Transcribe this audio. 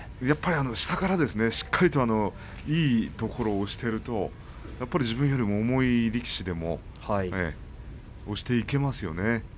下からしっかりいいところを押していると自分よりも重い力士でも押していけますよね。